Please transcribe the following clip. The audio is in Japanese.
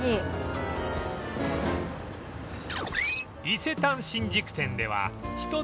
伊勢丹新宿店ではうわ！